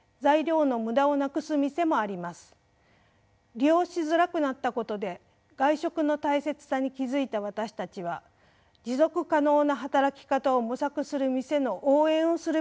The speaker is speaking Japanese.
利用しづらくなったことで外食の大切さに気付いた私たちは持続可能な働き方を模索する店の応援をするべきではないでしょうか。